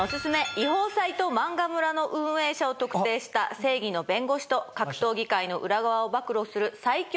違法サイト漫画村の運営者を特定した正義の弁護士と格闘技界の裏側を暴露する最強